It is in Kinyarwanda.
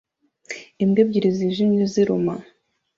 Imbwa ebyiri zijimye ziruma